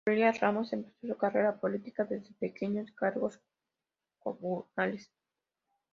Julia Ramos empezó su carrera política desde pequeños cargos comunales.